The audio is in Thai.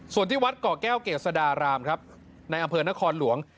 ส่วนที่วัดเกาะแก้วเกษดารามครับในอำเภอนครหลวง